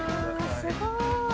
すごーい。